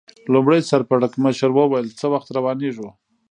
لومړي سر پړکمشر وویل: څه وخت روانېږو؟